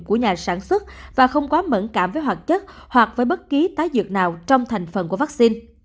của nhà sản xuất và không quá mẫn cảm với hoạt chất hoặc với bất kỳ tái dược nào trong thành phần của vaccine